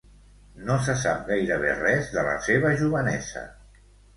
No se sap gairebé res de la seva jovenesa.